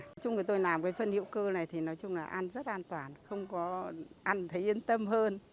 nói chung là tôi làm cái phân hữu cơ này thì nói chung là ăn rất an toàn không có ăn thấy yên tâm hơn